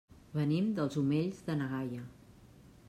Venim dels Omells de na Gaia.